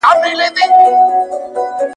تر مور او پلار خوږې، را کښېنه که وريجي خورې.